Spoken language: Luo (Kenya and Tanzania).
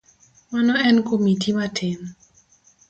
Mano en komiti matin.